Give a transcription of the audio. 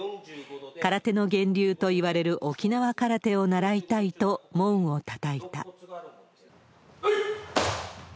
空手の源流といわれる沖縄空手を習いたいと門をたたいた。